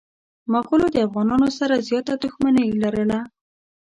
مغولو د افغانانو سره زياته دښمني لرله.